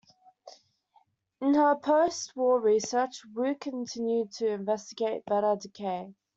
In her post-war research, Wu continued to investigate beta decay.